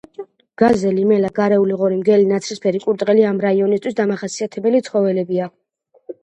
გაზელი, მელა, გარეული ღორი, მგელი, ნაცრისფერი კურდღელი ამ რაიონისთვის დამახასიათებელი ცხოველებია.